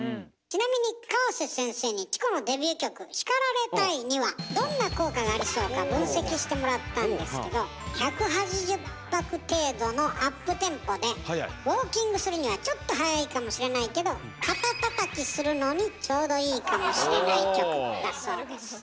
ちなみに河瀬先生にチコのデビュー曲「叱られたい！」にはどんな効果がありそうか分析してもらったんですけど１８０拍程度のアップテンポでウォーキングするにはちょっと速いかもしれないけど肩たたきするのにちょうどいいかもしれない曲だそうです。